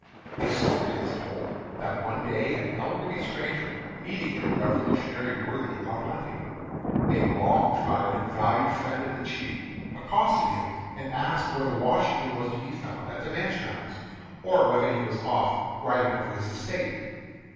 A story is told that one day an elderly stranger meeting a Revolutionary worthy out hunting, a long tried and valued friend of the chief, accosted him, and asked whether Washington was to be found at the mansion house, or whether he was off riding over his estate.